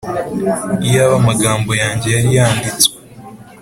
iyaba amagambo yanjye yari yanditswe!